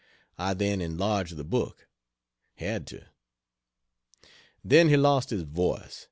I then enlarged the book had to. Then he lost his voice.